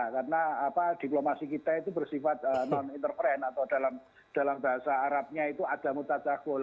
karena diplomasi kita itu bersifat non interference atau dalam bahasa arabnya itu ada mutacagol